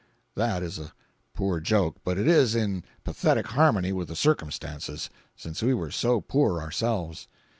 That is a poor joke, but it is in pathetic harmony with the circumstances, since we were so poor ourselves.